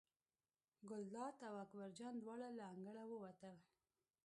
ګلداد او اکبر جان دواړه له انګړه ووتل.